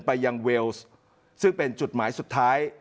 ไปยังเวลส์ซึ่งเป็นจุดหมายสุดท้าย